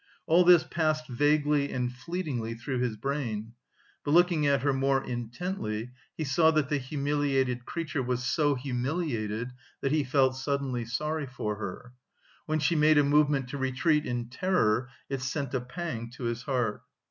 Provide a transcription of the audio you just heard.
All this passed vaguely and fleetingly through his brain, but looking at her more intently, he saw that the humiliated creature was so humiliated that he felt suddenly sorry for her. When she made a movement to retreat in terror, it sent a pang to his heart.